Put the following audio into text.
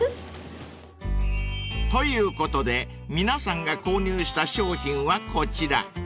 ［ということで皆さんが購入した商品はこちら］